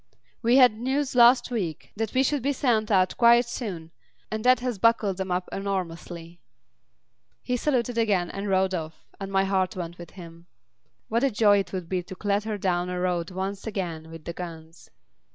"We had news last week that we should be sent out quite soon, and that has bucked them up enormously." He saluted again and rode off, and my heart went with him. What a joy it would be to clatter down a road once again with the guns!